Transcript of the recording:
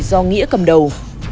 do nghĩa cầm đầu